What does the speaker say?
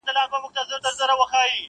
یو سړي باندي خدای ډېر وو رحمېدلی,